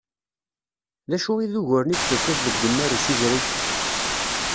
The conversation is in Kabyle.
D acu i d uguren i d-tufiḍ deg unnar n usizreg?